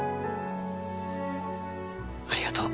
ありがとう。